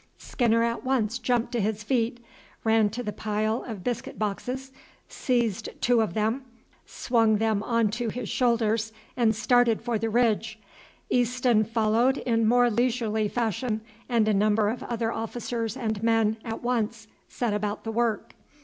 Skinner at once jumped to his feet, ran to the pile of biscuit boxes, seized two of them, swung them on to his shoulders and started for the ridge. Easton followed in more leisurely fashion, and a number of other officers and men at once set about the work.